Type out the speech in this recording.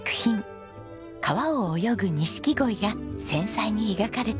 川を泳ぐ錦鯉が繊細に描かれています。